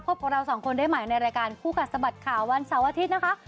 พบกับเราสองคนได้ใหม่ในรายการคู่กัดสะบัดข่าววันเสาร์อาทิตย์นะคะ